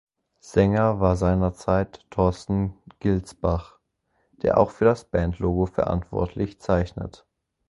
Sänger war seinerzeit Torsten Gilsbach, der auch für das Bandlogo verantwortlich zeichnet.